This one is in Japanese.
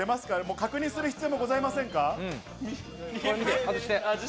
確認する必要もありませんか？